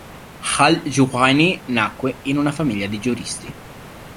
Al-Juwaynī nacque in una famiglia di giuristi.